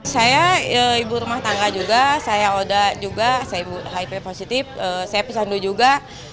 saya ibu rumah tangga juga saya oda juga saya ibu hiv positif saya pesandu juga